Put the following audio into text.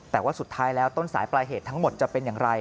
แต่ว่าสุดท้ายแล้วต้นสายปลายเหตุทั้งหมดจะเป็นอย่างไร